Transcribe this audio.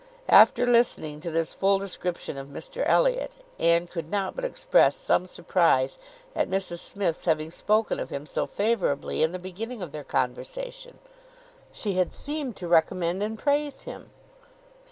After listening to this full description of Mr Elliot, Anne could not but express some surprise at Mrs Smith's having spoken of him so favourably in the beginning of their conversation. "She had seemed to recommend and praise him!"